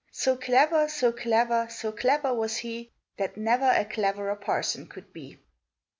So clever, so clever, so clever was he, That never a cleverer parson could be.